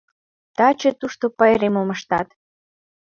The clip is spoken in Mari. Таче тушто пайремым ыштат.